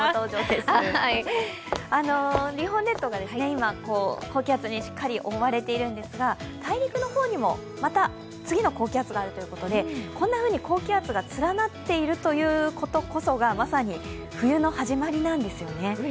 日本列島が高気圧にしっかり覆われているんですが大陸の方にも、また次の高気圧があるということでこんなふうに高気圧が連なっているということこそがまさに冬の始まりなんですよね。